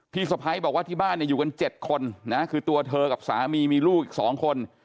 สะพ้ายบอกว่าที่บ้านอยู่กัน๗คนนะคือตัวเธอกับสามีมีลูกอีก๒คน